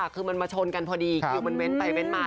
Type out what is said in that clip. คือมันมาชนกันพอดีคิวมันเว้นไปเว้นมา